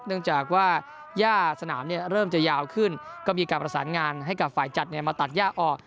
เนื่องจากว่าย่าสนามเริ่มจะยาวขึ้นก็มีการประสานงานให้กับฝ่ายจัดมาตัดย่าออก